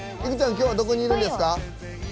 今日はどこにいるんですか？